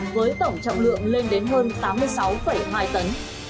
với tổng trọng lượng lên đến hơn tám mươi sáu hai tấn